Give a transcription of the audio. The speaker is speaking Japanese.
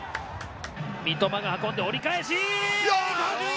三苫が運んで折り返し。